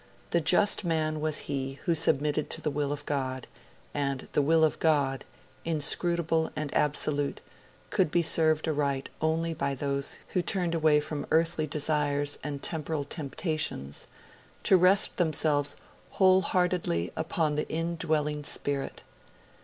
The just man was he who submitted to the Will of God, and the Will of God, inscrutable and absolute, could be served aright only by those who turned away from earthly desires and temporal temptations, to rest themselves whole heartedly upon the in dwelling Spirit.